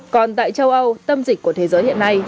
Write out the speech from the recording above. còn tại châu âu tâm dịch của thế giới hiện nay